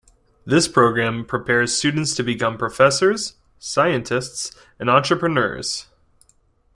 This program prepares students to become professors, scientists, and entrepreneurs.